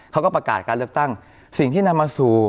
เขาก็ประกาศการเลือกตั้งสิ่งที่นำมาสู่